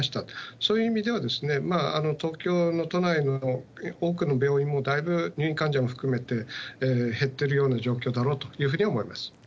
そういう意味では、東京都内の多くの病院もだいぶ入院患者も含めて、減ってるような状況だろうというふうに思います。